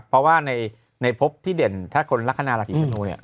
เพราะว่าในพบที่เด่นถ้าคนลักษณะราศีธนูเนี่ย